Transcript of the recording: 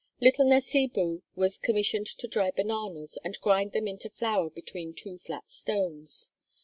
Little Nasibu was commissioned to dry bananas and grind them into flour between two flat stones.